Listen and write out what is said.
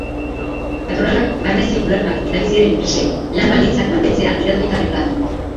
Patronalak barne-zirkular bat bidali zien enpresei, lan baldintzak mantentzea iradokita bertan.